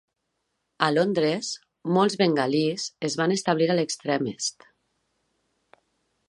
A Londres, molts bengalís es van establir a l'extrem est.